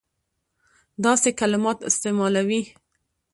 داسي کلمات استعمالوي.